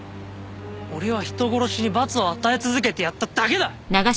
俺は人殺しに罰を与え続けてやっただけだ！